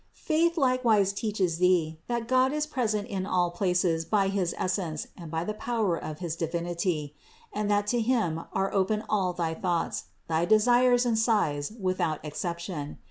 511. Faith likewise teaches thee, that God is present in all places by his essence and by the power of his Divinity; and that to Him are open all thy thoughts, thy desires and sighs without exception.